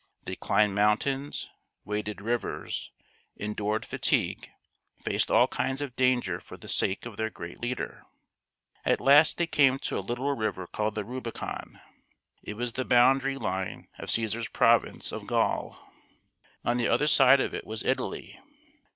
They climbed mountains, waded rivers, endured fatigue, faced all kinds of danger for the sake of their great leader. At last they came to a little river called the Rubi con. It was the boundary line of Caesar's province of Gaul ; on the other side of it was Italy.